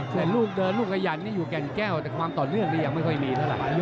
แต่ลูกเดินลูกขยันนี่อยู่แก่นแก้วแต่ความต่อเนื่องนี่ยังไม่ค่อยมีเท่าไหร่